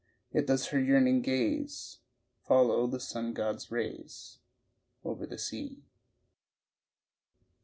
Yet does her yearning gaze Follow the sun god's rays Over the sea.